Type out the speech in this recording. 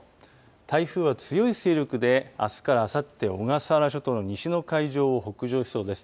台風は強い勢力で、あすからあさって、小笠原諸島の西の海上を北上しそうです。